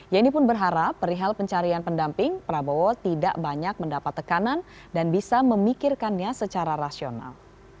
yeni pun berharap perihal pencarian pendamping prabowo tidak banyak mendapat tekanan dan bisa memikirkannya secara rasional